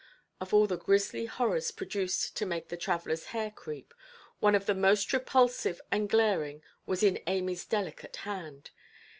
Of all the grisly horrors produced to make the travellerʼs hair creep, one of the most repulsive and glaring was in Amyʼs delicate hand.